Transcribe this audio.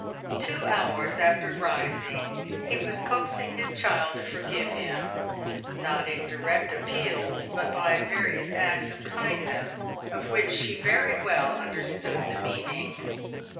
Two hours after rising, he was coaxing his child to forgive him, not in direct appeals, but by various acts of kindness of which she very well understood the mean ing.